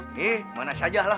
ini mana sajalah